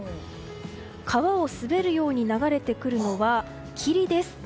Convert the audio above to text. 川を滑るように流れてくるのは霧です。